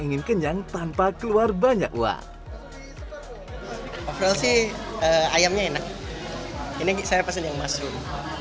ingin kenyang tanpa keluar banyak wa wa wa sih ayamnya enak ini saya pesan yang masuk